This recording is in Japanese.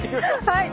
はい。